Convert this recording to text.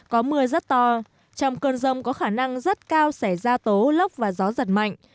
có mưa rất to trong cơn rông có khả năng rất cao sẽ ra tố lốc và gió giật mạnh